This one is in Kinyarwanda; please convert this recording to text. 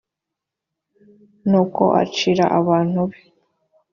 nuko acira abantu be